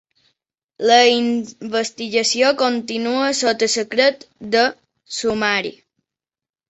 La investigació continua sota secret de sumari.